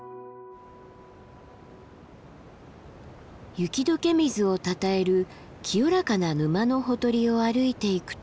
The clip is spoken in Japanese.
雪どけ水をたたえる清らかな沼のほとりを歩いていくと。